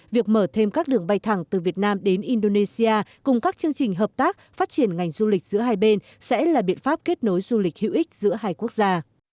việc mở thêm các đường bay thẳng từ việt nam đến indonesia cùng các chương trình hợp tác phát triển ngành du lịch giữa hai bên sẽ là biện pháp kết nối du lịch hữu ích giữa hai quốc gia